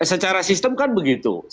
secara sistem kan begitu